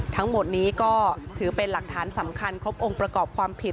ทั้งหมดนี้ก็ถือเป็นหลักฐานสำคัญครบองค์ประกอบความผิด